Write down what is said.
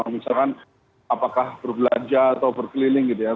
misalkan apakah berbelanja atau berkeliling gitu ya